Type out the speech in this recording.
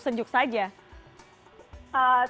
sejuk sejuk saja